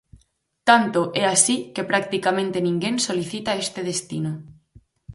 Tanto é así que practicamente ninguén solicita este destino.